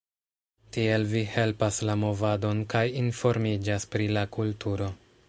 Tiel vi helpas la movadon kaj informiĝas pri la kulturo.